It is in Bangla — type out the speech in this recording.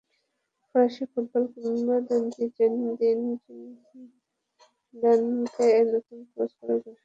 ফরাসি ফুটবল কিংবদন্তি জিনেদিন জিদানকে নতুন কোচ করার ঘোষণাও এসেছে তাতে।